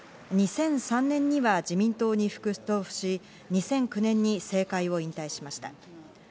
２００３年には自民党に復党し、２００９年に政界を引退しました。